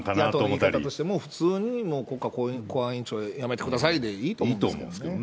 野党の言い方として、普通に国家公安委員長、やめてくださいいいと思うんですけどね。